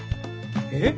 えっ？